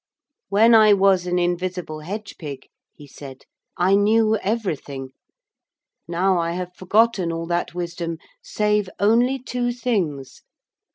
'When I was an invisible hedge pig,' he said, 'I knew everything. Now I have forgotten all that wisdom save only two things.